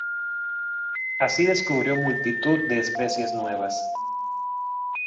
Así descubrió multitud de especies nuevas.